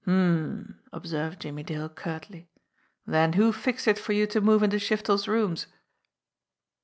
"H'm !" observed Jimmie Dale curtly. "Then who fixed it for you to move into Shiftel's rooms?"